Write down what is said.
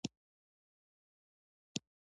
په واک کې نابرابري.